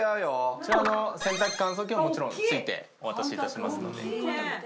こちらの洗濯乾燥機はもちろん付いてお渡し致しますので。